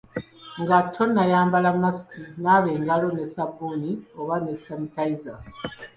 Nga tonnayambala masiki, naaba engalo ne ssabbuuni oba ne sanitayiza.